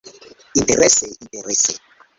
Interese, interese.